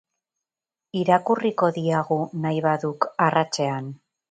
Irakurriko diagu, nahi baduk, arratsean.